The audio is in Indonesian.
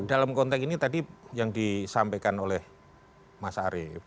dalam konteks ini tadi yang disampaikan oleh mas arief